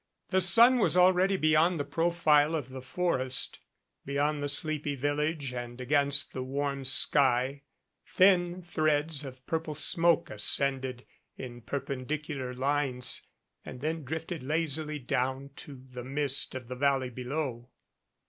The sun was already beyond the profile of the forest; beyond the sleepy village and against the warm sky thin threads of purple smoke ascended in perpendicular lines and then drifted lazily down to the mist of the valley below.